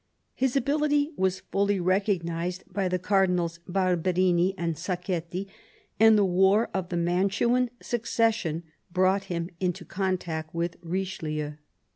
His ability was fully recognised by the Cardinals Barberini and Sachetti, and the war of the Mantuan succession brought him into contact with Richelieu.